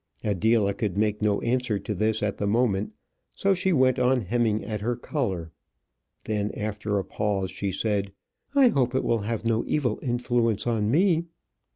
Adela could make no answer to this at the moment, so she went on hemming at her collar. Then, after a pause, she said, "I hope it will have no evil influence on me."